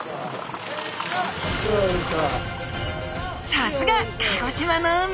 さすが鹿児島の海！